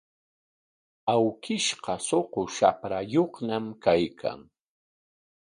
Awkishqa suqu shaprayuqñam kaykan.